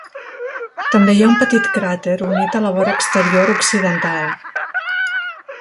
També hi ha un petit cràter unit a la vora exterior occidental.